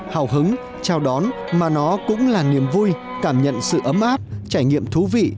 hào hứng chào đón mà nó cũng là niềm vui cảm nhận sự ấm áp trải nghiệm thú vị